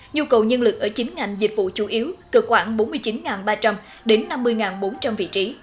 nhu cầu nhân lực ở chín ngành dịch vụ chủ yếu cần khoảng bốn mươi chín ba trăm linh đến năm mươi bốn trăm linh vị trí